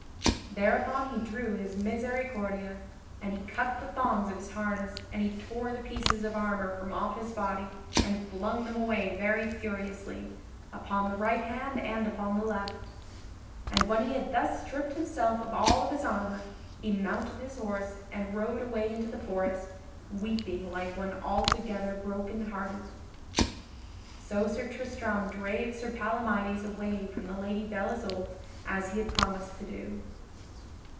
Thereupon he drew his misericordia, and he cut the thongs of his harness and he tore the pieces of armor from off his body and flung them away very furiously, upon the right hand and upon the left. And when he had thus stripped himself of all of his armor, he mounted his horse and rode away into the forest, weeping like one altogether brokenhearted. So Sir Tristram drave Sir Palamydes away from the Lady Belle Isoult as he had promised to do.